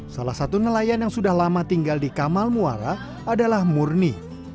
salah satu nelayan yang sudah lama tinggal di kamal muara adalah murni